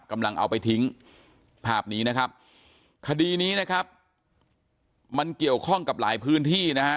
กำลังเอาไปทิ้งภาพนี้นะครับคดีนี้นะครับมันเกี่ยวข้องกับหลายพื้นที่นะฮะ